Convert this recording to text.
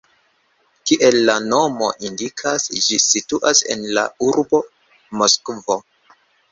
Kiel la nomo indikas, ĝi situas en la urbo Moskvo.